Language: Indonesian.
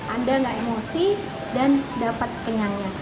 anda gak emosi dan dapat kenyangnya